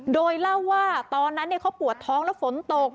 โดยเล่าว่าตอนนั้นเขาปวดท้องแล้วฝนตก